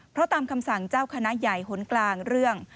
เพราะตามคำสั่งเจ้าคณะใหญ่หนกลางเรื่อง